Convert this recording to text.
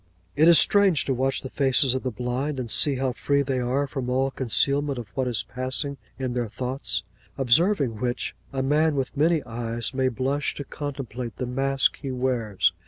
It is strange to watch the faces of the blind, and see how free they are from all concealment of what is passing in their thoughts; observing which, a man with eyes may blush to contemplate the mask he wears.